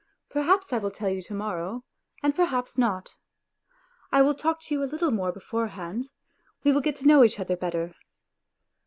Perhaps I will tell you to morrow, and perhaps not. ... I will talk to you a little more beforehand; we will get to know each other better.